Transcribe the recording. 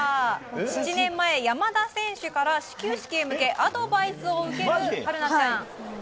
７年前、山田選手から始球式へ向けアドバイスを受ける春奈ちゃん。